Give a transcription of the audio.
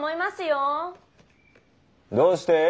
どうして。